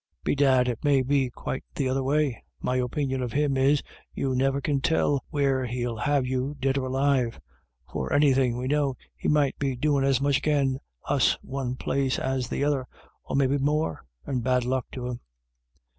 Bedad it may be quite the other way. My opinion of him is, you niver can tell where he'll have you, dead or alive. For anythin' we know he might be doin' as much agin us one place as the other, or maybe more, and bad luck to him."